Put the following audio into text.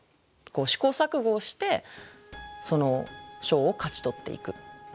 試行錯誤をしてそのショーを勝ち取っていく。